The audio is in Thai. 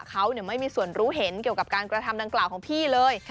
เขาไม่มีส่วนรู้เห็นเกี่ยวกับการกระทำดังกล่าวของพี่เลย